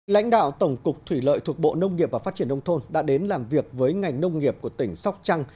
lãnh đạo tổng cục thủy lợi thuộc bộ nông nghiệp và phát triển nông thôn đã đến làm việc với ngành nông nghiệp của tỉnh sóc trăng